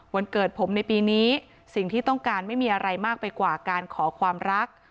วันเกิดผมในปีนี้สิ่งที่ต้องการไม่มีอะไรมากไปกว่าการขอความรัก